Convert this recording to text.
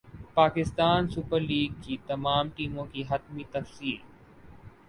Pakistan super league کی تمام ٹیموں کی حتمی تفصیل